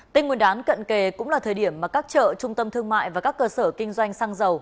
tên nguyên đán cận kề cũng là thời điểm mà các chợ trung tâm thương mại và các cơ sở kinh doanh xăng dầu